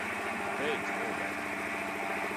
Beidz muldēt!